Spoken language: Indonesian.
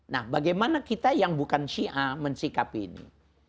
nah bagaimana kita yang bukan syia mensikapi ini